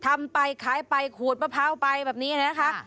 ทำไปขายไปขูดมะพร้าวไปแบบนี้นะคะ